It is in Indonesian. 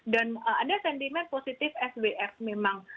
dan ada sentimen positif swf memang